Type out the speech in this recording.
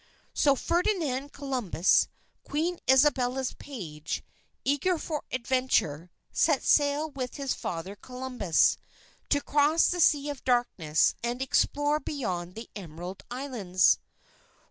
So Ferdinand Columbus, Queen Isabella's page, eager for adventure, set sail with his father Columbus, to cross the Sea of Darkness and explore beyond the emerald islands.